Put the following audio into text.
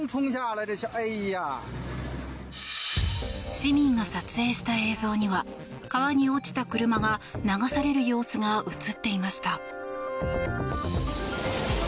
市民が撮影した映像には川に落ちた車が流される様子が映っていました。